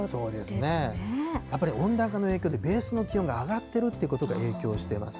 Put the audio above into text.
やっぱり温暖化の影響で、ベースの気温が上がっているということが影響してます。